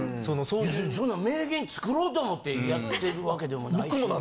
別にそんなん名言作ろうと思ってやってるわけでもないし。